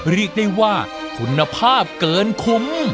เรียกได้ว่าคุณภาพเกินคุ้ม